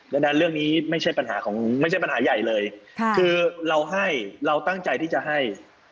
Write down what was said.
ดังนั้นเรื่องนี้ไม่ใช่ปัญหาใหญ่เลยคือเราให้เราตั้งใจที่จะให้